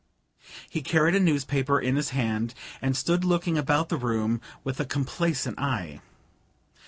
He carried a newspaper in his hand, and stood looking about the room with a complacent eye.